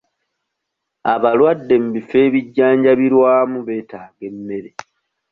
Abalwadde mu bifo ebijjanjabirwamu beetaaga emmere.